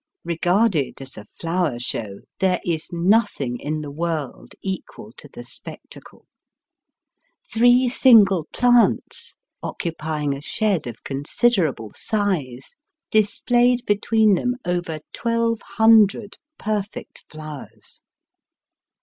Eegarded as a flower show, there is nothing in the world equal to the spectacle. Three single plants, occupying a shed of considerable size, displayed between them over twelve hundred perfect flowers.